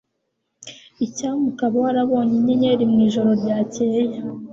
Icyampa ukaba warabonye inyenyeri mwijoro ryakeye